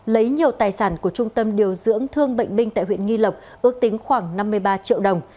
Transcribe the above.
lấy nhiều tài sản của trung tâm điều dưỡng thương bệnh binh tại huyện nghi lộc ước tính khoảng năm mươi ba triệu đồng